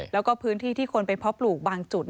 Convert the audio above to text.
แล้วก็พื้นที่ที่คนไปเพาะปลูกบางจุด